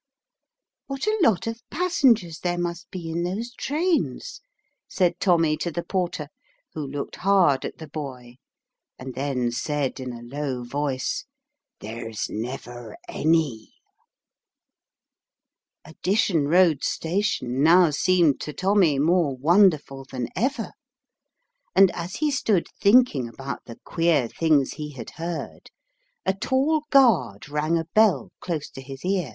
"What a lot of passengers there must be in those trains !" said Tommy to the porter, who looked hard at the boy, and then said in a low voice, " There's never any" Addition Road Station now seemed to Tommy more wonderful than ever, and as he stood thinking about the queer things he had heard, a tall guard rang a bell close to his ear.